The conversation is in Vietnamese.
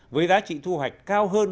với giá trị thu hoạch cao hơn